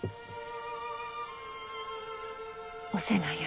お瀬名や。